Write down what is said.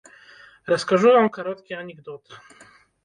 Раскажу вам кароткі анекдот.